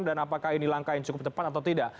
dan apakah ini langkah yang cukup tepat atau tidak